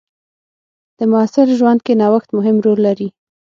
د محصل ژوند کې نوښت مهم رول لري.